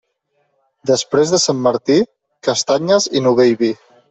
Després de Sant Martí, castanyes i novell vi.